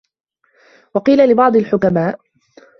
وَقِيلَ لِبَعْضِ الْحُكَمَاءِ